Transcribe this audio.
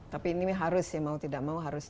tapi ini harus ya mau tidak mau harus